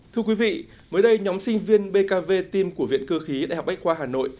thưa quý vị mới đây nhóm sinh viên bkv tim của viện cơ khí đại học bách khoa hà nội